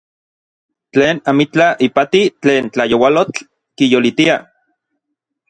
Tlen amitlaj ipati tlen tlayoualotl kiyolitia.